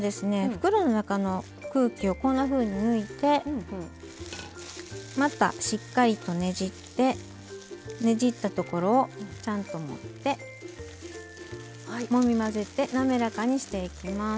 袋の中の空気をこんなふうに抜いてまたしっかりとねじってねじったところをちゃんと持ってもみ混ぜて滑らかにしていきます。